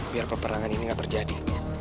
biar peperangan ini nggak terjadi